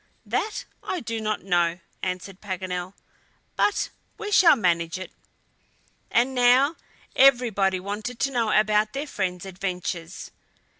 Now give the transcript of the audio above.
"That I do not know," answered Paganel, "but we shall manage it." And now everybody wanted to know about their friend's adventures.